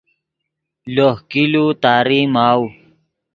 لوہ کِلو تاری ماؤ